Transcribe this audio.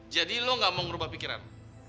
jadi lu gak mau ngerubah pikiran